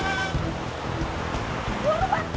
lama sekali sih